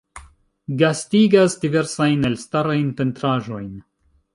Gastigas diversajn elstarajn pentraĵojn.